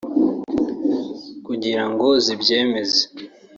kugira ngo zibyemeze